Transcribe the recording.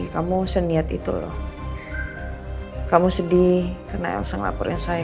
kamu sedih karena elsa melaporkan saya